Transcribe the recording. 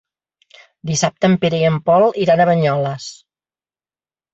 Dissabte en Pere i en Pol iran a Banyoles.